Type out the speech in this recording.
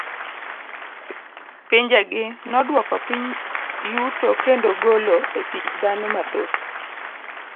Pinje gi noduoko piny yuto kendo golo e tich dhano mathoth.